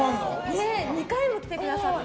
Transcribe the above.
２回も来てくださって。